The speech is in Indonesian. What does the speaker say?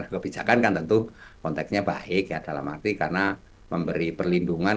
kebijakan kan tentu konteksnya baik ya dalam arti karena memberi perlindungan